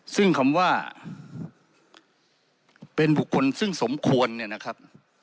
ซึ่งคำว่าเป็นบุคคลซึ่งสมควรเนี่ยนะครับ